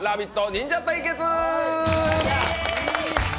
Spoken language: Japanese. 忍者対決！